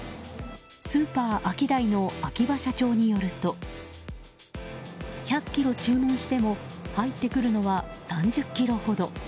スーパーアキダイの秋葉社長によると１００ｋｇ注文しても入ってくるのは３０ｋｇほど。